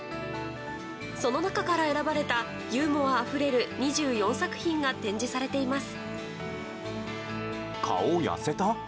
その中から選ばれたユーモアあふれる２４作品が展示されています。